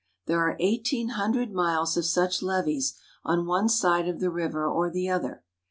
There are eighteen hundred miles A Levet of such levees, on one side of the river or the other.